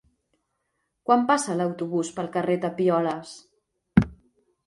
Quan passa l'autobús pel carrer Tapioles?